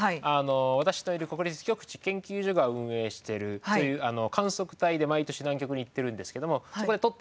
私のいる国立極地研究所が運営してるそういう観測隊で毎年南極に行ってるんですけどもそこで取ってきた氷です。